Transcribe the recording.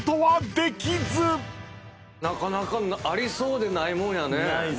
なかなかありそうでないもんやね。